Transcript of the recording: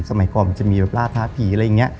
สมัยก่อนมันจะมีราภาษณ์ผีอะไรอย่างนี้